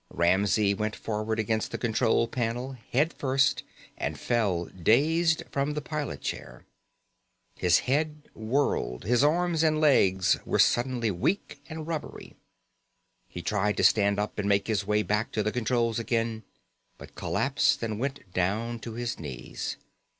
Ramsey went forward against the control panel head first and fell dazed from the pilot chair. His head whirled, his arms and legs were suddenly weak and rubbery. He tried to stand up and make his way back to the controls again, but collapsed and went down to his knees.